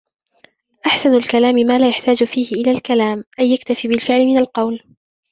أَحْسَنُ الْكَلَامِ مَا لَا يُحْتَاجُ فِيهِ إلَى الْكَلَامِ أَيْ يَكْتَفِي بِالْفِعْلِ مِنْ الْقَوْلِ